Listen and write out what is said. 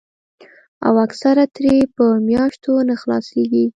او اکثر ترې پۀ مياشتو نۀ خلاصيږي